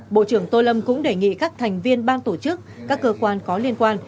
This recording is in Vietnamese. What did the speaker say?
bộ trưởng tô lâm cũng đề nghị các thành viên ban tổ chức các cơ quan có liên quan